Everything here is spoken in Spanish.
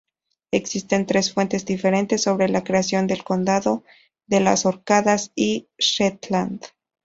Existen tres fuentes diferentes sobre la creación del condado de las Orcadas y Shetland.